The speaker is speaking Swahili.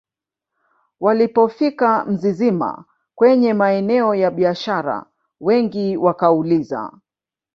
walipofika Mzizima kwenye maeneo ya biashara wengi wakauliza